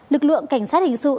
lực lượng cảnh sát hình sự